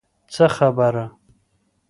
څه خبره.